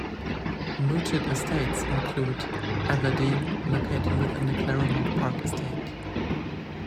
Mooted estates include "Evadene", located within the Claremont Park estate.